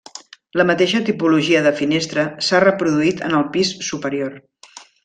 La mateixa tipologia de finestra s'ha reproduït en el pis superior.